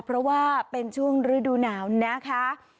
เพราะว่าเป็นช่วงฤดูหนาวนะคะ